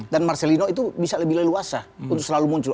dan marcelino itu bisa lebih leluasa untuk selalu muncul